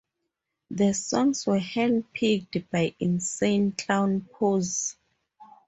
The songs were hand picked by Insane Clown Posse.